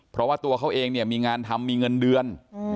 เพราะว่าตัวเขาเองเนี่ยมีงานทำมีเงินเดือน